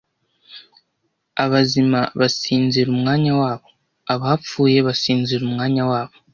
Abazima basinzira umwanya wabo, abapfuye basinzira umwanya wabo,